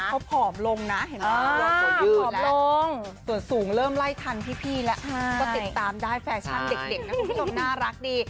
เขาผอมลงนะเห็นไหมส่วนสูงเริ่มไล่ทันพี่แล้วก็ติดตามได้แฟชั่นเด็กนะคุณผู้ชมน่ารักดี